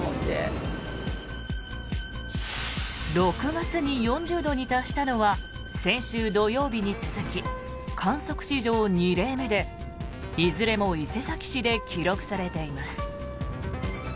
６月に４０度に達したのは先週土曜日に続き観測史上２例目でいずれも伊勢崎市で記録されています。